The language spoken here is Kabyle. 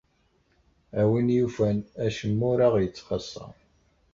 A win yufan, acemma ur aɣ-yettxaṣṣa.